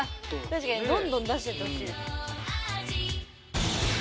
確かにどんどん出してってほしい。